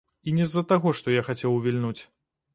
І не з-за таго, што я хацеў увільнуць.